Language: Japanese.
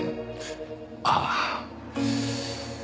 ああ。